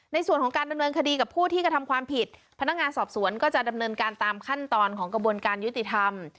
ในส่วนของการดำเนินคดีกับผู้ที่กระทำความผิดพนักงานสอบสวนก็จะดำเนินการตามขั้นตอนของกระบวนการยุติธรรม